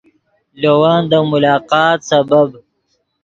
لے ون دے ملاقات سبب